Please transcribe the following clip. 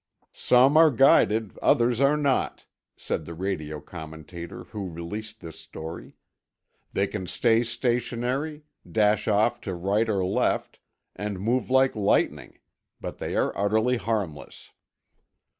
"Some are guided, others are not," said the radio commentator who released this story. "They can stay stationary, dash off to right or left, and move like lightning. But they are utterly harmless."